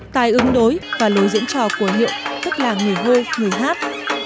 tài ứng đối và lối diễn trò của hiệu tức là người hô người hát